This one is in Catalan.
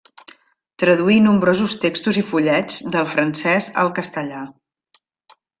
Traduí nombrosos textos i fullets del francès al castellà.